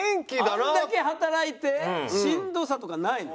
あれだけ働いてしんどさとかないの？